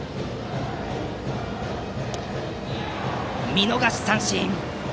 見逃し三振！